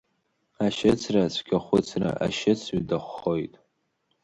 Ашьыцра-цәгьахәыцра ашьыцҩы дахәхоит!